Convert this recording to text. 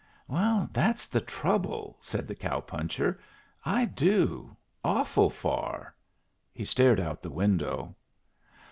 "That's the trouble," said the cow puncher. "I do. Awful far." He stared out of the window.